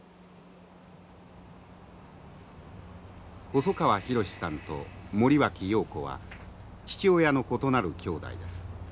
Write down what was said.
細川浩史さんと森脇瑤子は父親の異なる兄妹です。